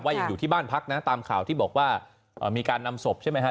ยังอยู่ที่บ้านพักนะตามข่าวที่บอกว่ามีการนำศพใช่ไหมฮะ